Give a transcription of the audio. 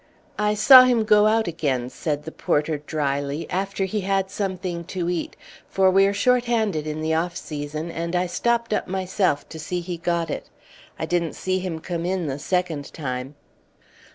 "I saw him go out again," said the porter, dryly, "after he had something to eat, for we are short handed in the off season, and I stopped up myself to see he got it. I didn't see him come in the second time."